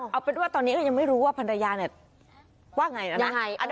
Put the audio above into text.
เท่านี้ก็ไม่รู้ว่าภรรยากระเนียว